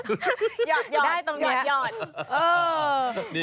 หยอดหยอดได้ตรงนี้